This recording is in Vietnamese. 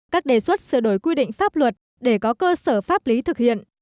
các đề xuất sửa đổi quy định pháp luật để có cơ sở pháp lý thực hiện